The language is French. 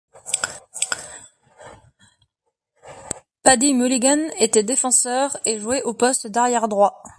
Paddy Mulligan était défenseur et jouait au poste d'arrière droit.